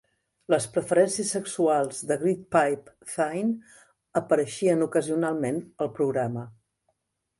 Les preferències sexuals de Grytpype-Thynne apareixien ocasionalment al programa.